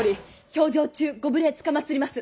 評定中ご無礼つかまつります